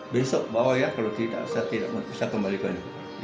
besok bawa ya kalau tidak saya tidak bisa kembalikan